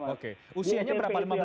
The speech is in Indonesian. oke usianya berapa